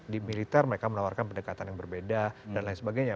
di militer mereka menawarkan pendekatan yang berbeda dan lain sebagainya